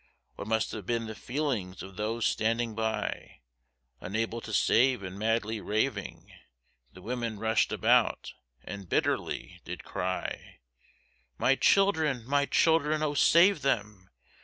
What must have been the feelings of those standing by, Unable to save and madly raving? The women rushed about, and bitterly did cry, My children, my children, oh save them!